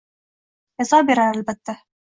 Jazo berar albatta.